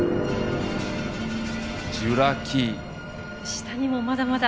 下にもまだまだ。